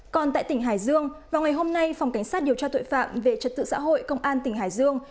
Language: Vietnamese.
còn tại tỉnh hải dương vào ngày hôm nay phòng cảnh sát điều tra tội phạm về trật tự xã hội công an tỉnh hải dương